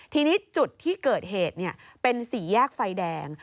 ทีนี้จุดที่เกิดเหตุเป็นสี่แยกไฟแดง